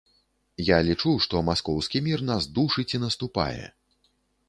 Я лічу, што маскоўскі мір нас душыць і наступае.